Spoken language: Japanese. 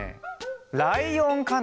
ライオンかな。